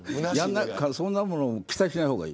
そんなもの期待しない方がいい。